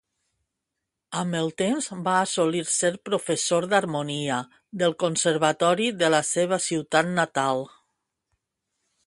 Amb el temps va assolir ser professor d'harmonia del Conservatori de la seva ciutat natal.